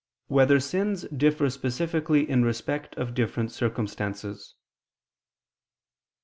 9] Whether Sins Differ Specifically in Respect of Different Circumstances?